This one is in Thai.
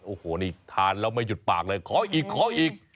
โอ้โหนี่ทานแล้วไม่หยุดปากเลยขออีกขออีก